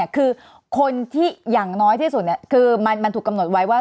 คือคนที่อย่างน้อยที่สุดคือมันถูกกำหนดไว้ว่า